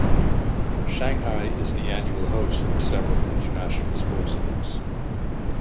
Shanghai is the annual host of several international sports events.